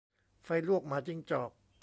ไฟลวกหมาจิ้งจอก